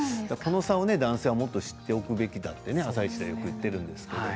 男性はもっと知っておくべきだと「あさイチ」でも言っているんですけどね。